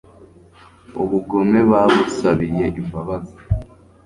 ubugome babusabiye imbabazi